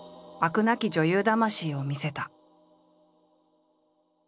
なき女優魂を見せた。